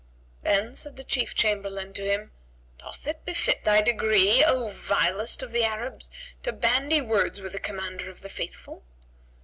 Then said the Chief Chamberlain to him, "Doth it befit thy degree, O vilest of the Arabs, to bandy words with the Commander of the Faithful?"